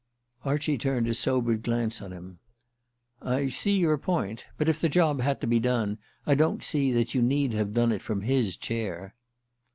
Archie turned a sobered glance on him. "I see your point. But if the job had to be done I don't see that you need have done it from his chair."